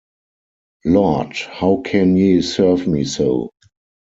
Lord how can ye serve me so!